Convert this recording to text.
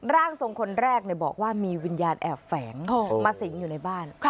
ร่างทรงคนแรกบอกว่ามีวิญญาณแอบแฝงมาสิงอยู่ในบ้าน